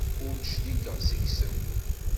Ur d-cligeɣ seg-sen.